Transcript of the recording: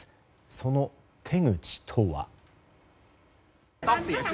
その手口とは。